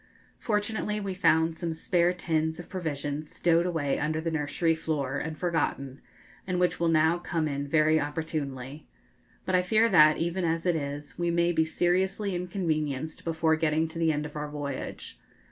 Fortunately, we found some spare tins of provisions stowed away under the nursery floor and forgotten, and which will now come in very opportunely. But I fear that, even as it is, we may be seriously inconvenienced before getting to the end of our voyage.